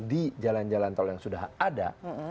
di jalan jalan tol yang sudah ada